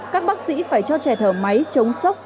các bác sĩ phải cho trẻ thở máy chống sốc